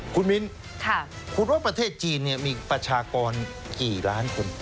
คุณมิ้นคุณว่าประเทศจีนมีประชากรกี่ล้านคน